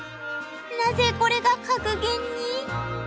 なぜこれが格言に？